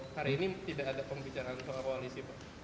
hari ini tidak ada pembicaraan soal koalisi pak